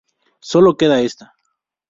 Sólo queda esta.